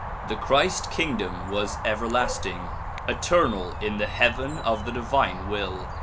The Christ kingdom was everlasting, eternal in the heaven of the divine will.